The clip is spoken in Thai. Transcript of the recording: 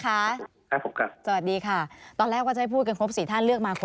ครับผมครับสวัสดีค่ะตอนแรกก็จะให้พูดกันครบสี่ท่านเลือกมา